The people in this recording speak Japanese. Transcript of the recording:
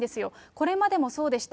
これまでもそうでした。